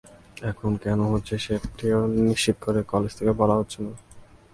এখন কেন হচ্ছে সেটিও নিশ্চিত করে কলেজ থেকে বলা হচ্ছে না।